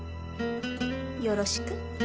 よろしく。